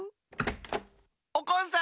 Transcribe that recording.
おこんさん！